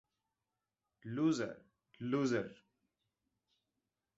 Loser, loser.